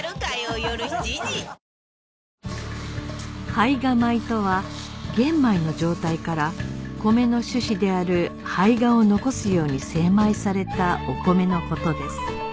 胚芽米とは玄米の状態から米の種子である胚芽を残すように精米されたお米の事です